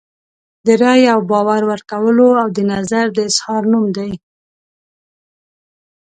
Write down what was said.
د رایې او باور ورکولو او د نظر د اظهار نوم دی.